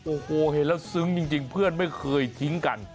โอ้โหเห็นแล้วซึ้งจริงเพื่อนไม่เคยทิ้งกัน